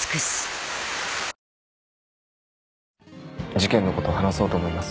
事件の事話そうと思います。